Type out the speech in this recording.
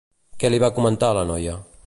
Què li va comentar a la noia?